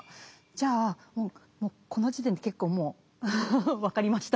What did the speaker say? じゃあもうもうこの時点で結構もう分かりました。